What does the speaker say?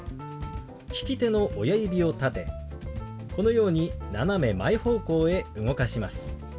利き手の親指を立てこのように斜め前方向へ動かします。